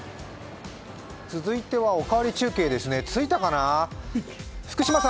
続いては「おかわり中継」着いたかな。